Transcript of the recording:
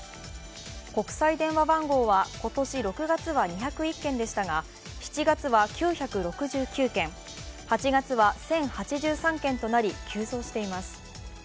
国際電話番号は今年６月は２０１件でしたが７月は９６９件、８月は１０８３件となり急増しています。